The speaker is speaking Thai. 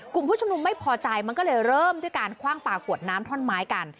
กลุ่มผู้ชมนุมไม่พอใจมันก็เลยเริ่มด้วยการคว่างปลาขวดน้ำท่อนไม้กัน